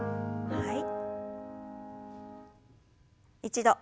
はい。